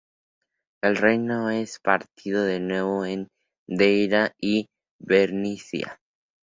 El reino es partido de nuevo en Deira y Bernicia.